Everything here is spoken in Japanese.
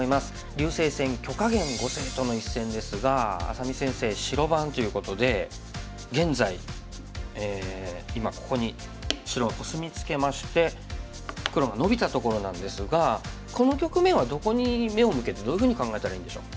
竜星戦許家元碁聖との一戦ですが愛咲美先生白番ということで現在今ここに白がコスミツケまして黒がノビたところなんですがこの局面はどこに目を向けてどういうふうに考えたらいいんでしょう？